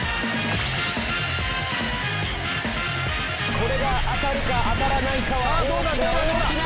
これが当たるか当たらないかは大きな大きな。